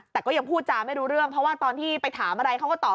แต่ก็ยังพูดจาไม่รู้เรื่องเพราะว่าตอนที่ไปถามอะไรเขาก็ตอบ